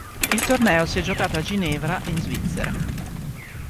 Il torneo si è giocato a Ginevra in Svizzera.